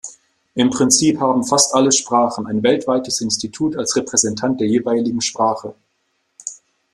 Im Prinzip haben fast alle Sprachen ein weltweites Institut als Repräsentant der jeweiligen Sprache.